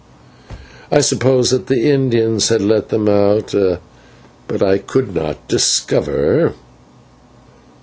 I suppose that the Indians had let them out, but I could not discover."